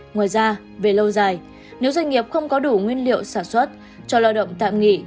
ngoài ra về lâu dài nếu doanh nghiệp không có đủ nguyên liệu sản xuất cho lao động tạm nghỉ